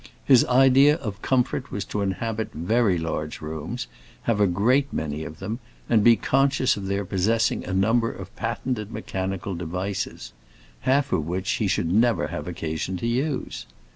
His idea of comfort was to inhabit very large rooms, have a great many of them, and be conscious of their possessing a number of patented mechanical devices—half of which he should never have occasion to use.